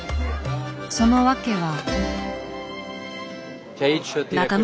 その訳は。